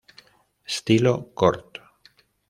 Estilo corto.